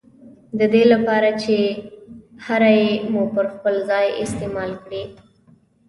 ددې له پاره چي هره ي مو پر خپل ځای استعمال کړې